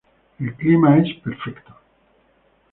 El clima es perfecto.